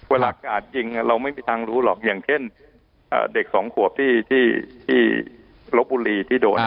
เวลากาดยิงเราไม่มีทางรู้หรอกอย่างเช่นเด็กสองขวบที่ลบบุรีที่โดน